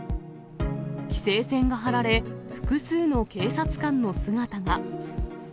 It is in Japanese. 規制線が張られ、複数の警察官の姿が。